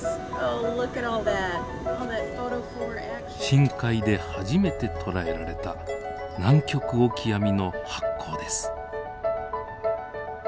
深海で初めて捉えられたナンキョクオキアミの発光です。